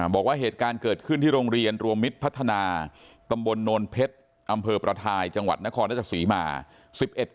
บอกว่าเหตุการณ์เกิดขึ้นที่โรงเรียนรวมมิตรพัฒนาตำบลโนนเพชรอำเภอประทายจังหวัดนครราชศรีมา